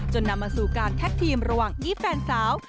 นำมาสู่การแท็กทีมระหว่างอีฟแฟนสาว